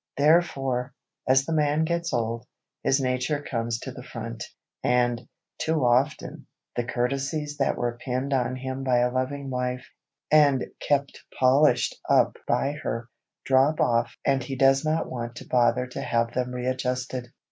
Therefore, as the man gets old, his nature comes to the front, and, too often, the courtesies that were pinned on him by a loving wife, and kept polished up by her, drop off and he does not want to bother to have them readjusted.